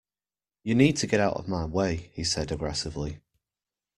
You need to get out of my way! he said aggressively